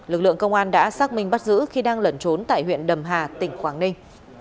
lực lượng công an đã xác minh bắt giữ khi đang lẩn trốn tại huyện đầm hà tỉnh quảng ninh